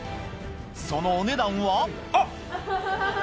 そのお値段はあ！